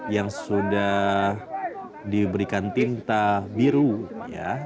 yang sudah diberikan tinta biru ya